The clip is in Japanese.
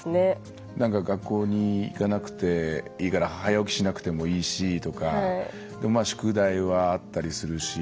学校に行かなくていいから早起きしなくてもいいしとかでも宿題はあったりするし。